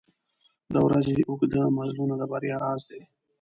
• د ورځې اوږده مزلونه د بریا راز دی.